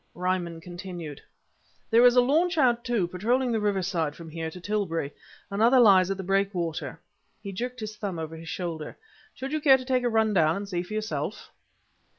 Ryman continued: "There is a launch out, too, patrolling the riverside from here to Tilbury. Another lies at the breakwater" he jerked his thumb over his shoulder. "Should you care to take a run down and see for yourself?"